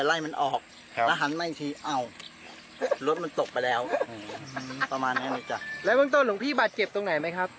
แล้วเบื้องต้นหลวงพี่บัตรเก็บตรงไหนไหมครับ